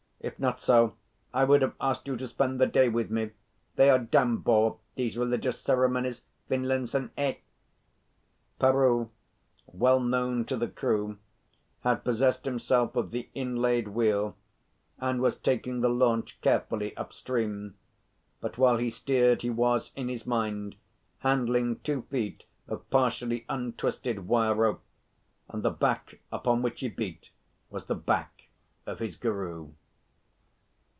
If not so I would have asked you to spend the day with me. They are dam bore, these religious ceremonies, Finlinson, eh?" Peroo, well known to the crew, had possessed himself of the inlaid wheel, and was taking the launch craftily up stream. But while he steered he was, in his mind, handling two feet of partially untwisted wire rope; and the back upon which he beat was the back of his guru.